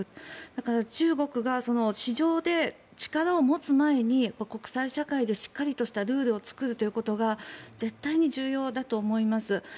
だから、中国が市場で力を持つ前に国際社会でしっかりとしたルールを作ることが絶対に重要だと思います。